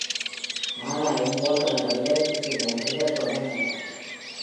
நாராயன் போன்றவர்கள் இவருக்குப் பின்னர் எழுதத் தொடங்கினவர்களே.